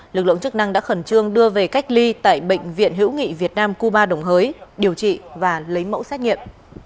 lực lượng chức năng đã khẩn trương đưa về cách ly tại bệnh viện hữu nghị việt nam cuba đồng hới điều trị và lấy mẫu xét nghiệm